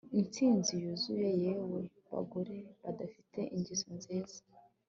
Intsinzi yuzuye yewe bagore badafite ingeso nziza